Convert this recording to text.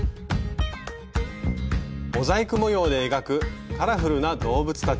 モザイク模様で描くカラフルな動物たち。